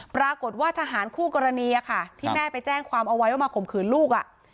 ปรากฏว่าทหารคู่กรณีที่แม่ไปแจ้งความเอาไว้ว่ามาข่มขืนลูก